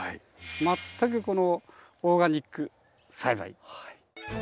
全くオーガニック栽培。